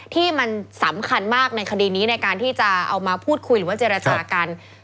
ที่มันสำคัญมากในคดีนี้ในการที่จะเอามาพูดคุยหรือว่าเจรจากัน